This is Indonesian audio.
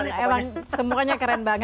emang semuanya keren banget